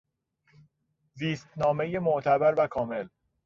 زیستنامهی معتبر و کامل